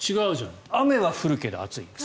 雨は降るけど暑いんです。